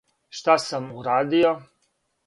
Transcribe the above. Што сам урадио.